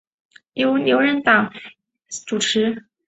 由牛党人物钱徽主持。